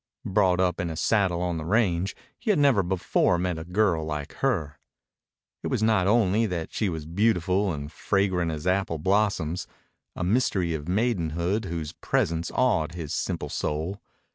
Brought up in a saddle on the range, he had never before met a girl like her. It was not only that she was beautiful and fragrant as apple blossoms, a mystery of maidenhood whose presence awed his simple soul.